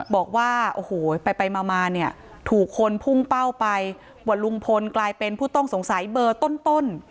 บอกว่าโอ้โหไปมาเนี่ยถูกคนพุ่งเป้าไปว่าลุงพลกลายเป็นผู้ต้องสงสัยเบอร์ต้น